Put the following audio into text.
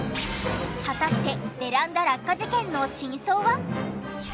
果たしてベランダ落下事件の真相は！？